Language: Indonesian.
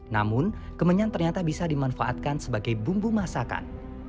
namun kemenyan ternyata bisa dimanfaatkan sebagai bumbu masakan